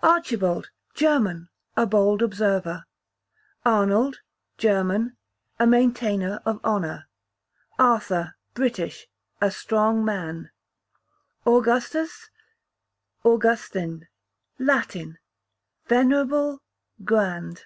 Archibald, German, a bold observer. Arnold, German, a maintainer of honour. Arthur, British, a strong man. Augustus,) Augustin,) Latin venerable, grand.